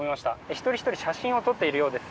一人ひとり写真を撮っているようです。